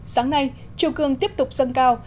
sáng nay triều cường tiếp tục sân cao